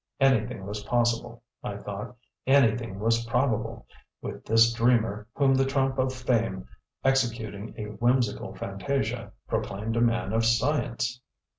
Anything was possible, I thought anything was probable with this dreamer whom the trump of Fame, executing a whimsical fantasia, proclaimed a man of science!